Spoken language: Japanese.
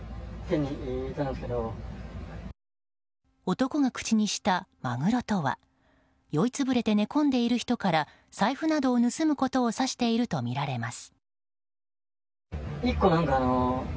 男が口にした、マグロとは酔い潰れて寝込んでいる人から財布などを盗むことを指しているとみられます。